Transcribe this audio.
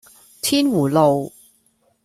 天湖路